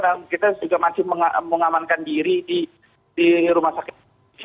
dan kita juga masih mengamankan diri di rumah sakit